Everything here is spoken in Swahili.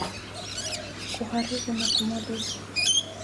Kuharibu na kumaliza.